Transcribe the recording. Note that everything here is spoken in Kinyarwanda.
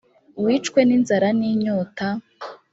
wicwe n’inzara n’inyota,